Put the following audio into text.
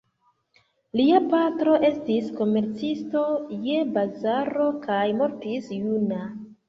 Lia patro estis komercisto je bazaro kaj mortis juna.